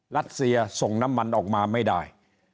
รัสเซียส่งน้ำมันออกมาไม่ได้